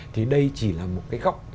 thì đây chỉ là một cái góc